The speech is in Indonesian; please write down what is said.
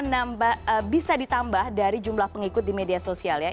nah bisa ditambah dari jumlah pengikut di media sosial ya